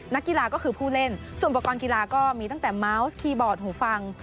นักกีฬาก็คือผู้เล่นส่วนอุปกรณ์กีฬาก็มีตั้งแต่เมาส์คีย์บอร์ดหูฟัง